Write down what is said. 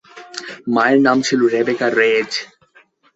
মায়ের নাম ছিল রেবেকা রেয়েজ।